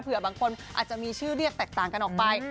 บางคนอาจจะมีชื่อเรียกแตกต่างกันออกไป